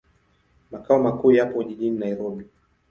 Makao makuu yapo jijini Nairobi.